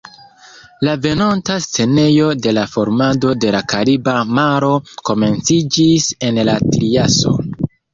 La venonta scenejo de la formado de la Kariba maro komenciĝis en la Triaso.